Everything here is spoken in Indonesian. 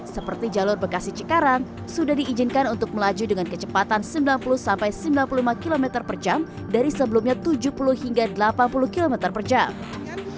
seperti jalur bekasi cikarang sudah diizinkan untuk melaju dengan kecepatan sembilan puluh sampai sembilan puluh lima km per jam dari sebelumnya tujuh puluh hingga delapan puluh km per jam